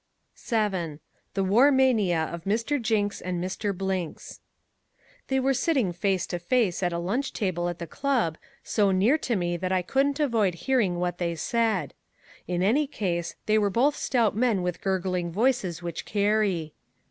7. The War Mania of Mr. Jinks and Mr. Blinks They were sitting face to face at a lunch table at the club so near to me that I couldn't avoid hearing what they said. In any case they are both stout men with gurgling voices which carry.